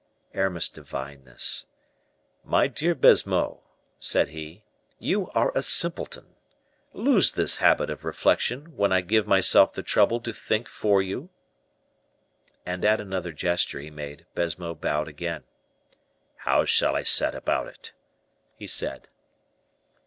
Aramis divined this. "My dear Baisemeaux," said he, "you are a simpleton. Lose this habit of reflection when I give myself the trouble to think for you." And at another gesture he made, Baisemeaux bowed again. "How shall I set about it?" he said.